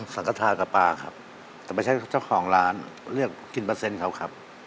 สังกทากับปลาครับแต่ไม่ใช่เจ้าของร้านเลือกกินเปอร์เซ็นต์เขาครับ